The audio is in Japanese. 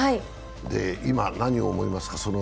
今、何を思いますか？